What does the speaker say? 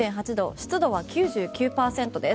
湿度は９９％です。